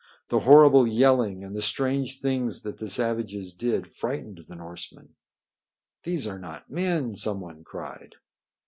The horrible yelling and the strange things that the savages did frightened the Norsemen. "These are not men," some one cried.